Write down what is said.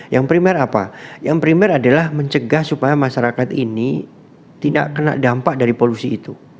yang primer apa yang primer adalah mencegah supaya masyarakat ini tidak kena dampak dari polusi itu